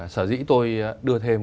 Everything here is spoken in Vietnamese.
sở dĩ tôi đưa thêm